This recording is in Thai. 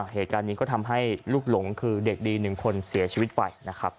เหตุการณ์นี้ก็ทำให้ลูกหลงคือเด็กดี๑คนเสียชีวิตไปนะครับ